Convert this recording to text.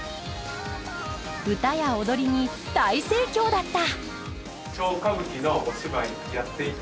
歌や踊りに大盛況だった。